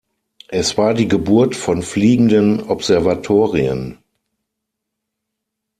Es war die Geburt von fliegenden Observatorien.